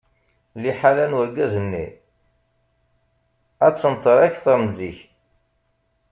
Liḥala n urgaz-nni ad tenṭer akteṛ n zik.